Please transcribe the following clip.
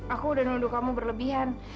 aku udah nunduk kamu berlebihan